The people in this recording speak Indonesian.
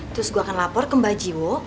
terus gue akan lapor ke mbak jimu